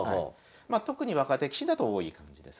特に若手棋士だと多い感じですが。